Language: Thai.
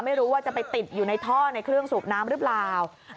ไม่รู้ว่าจะไปติดอยู่ในท่อในเครื่องสูบน้ำหรือเปล่า